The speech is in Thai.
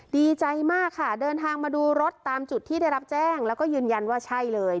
ดีใจมากค่ะเดินทางมาดูรถตามจุดที่ได้รับแจ้งแล้วก็ยืนยันว่าใช่เลย